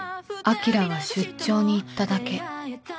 「晶は出張に行っただけ」